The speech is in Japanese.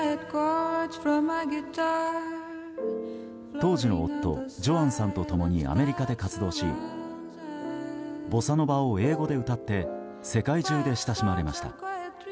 当時の夫、ジョアンさんと共にアメリカで活動しボサ・ノヴァを英語で歌って世界中で親しまれました。